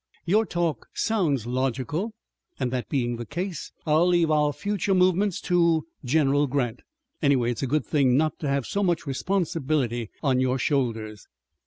"Your talk sounds logical, and that being the case, I'll leave our future movements to General Grant. Anyway, it's a good thing not to have so much responsibility on your shoulders."